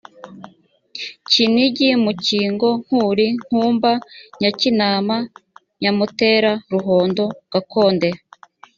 kinigi mukingo nkuli nkumba nyakinama nyamutera ruhondo gatonde